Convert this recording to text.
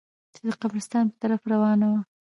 چې د قبرستان په طرف روانه وه.